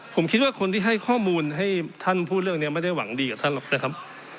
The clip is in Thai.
ผมคิดว่าคนที่ให้ข้อมูลให้ท่านพูดเรื่องนี้ไม่ได้หวังดีกับท่านหรอกนะครับ